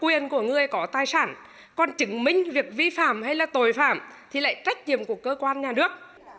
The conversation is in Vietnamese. cái giải trình của người có tài sản còn chứng minh việc vi phạm hay là tội phạm thì lại trách nhiệm của cơ quan nhà nước